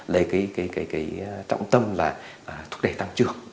lấy cái trọng tâm là thúc đẩy tăng trưởng